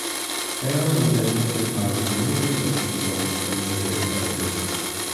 Bell was educated by the Dominican nuns in Dublin and later in Belgium.